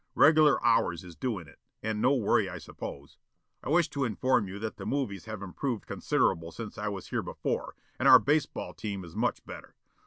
Regular hours is doing it, and no worry I suppose. I wish to inform you that the movies have improved considerable since I was here before and our baseball team is much better.